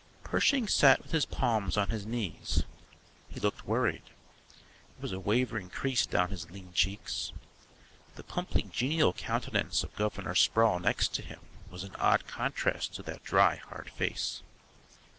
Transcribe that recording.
Pershing sat with his palms on his knees. He looked worried. There was a wavering crease down his lean cheeks. The plumply genial countenance of Governor Sproul next to him was an odd contrast to that dry, hard face.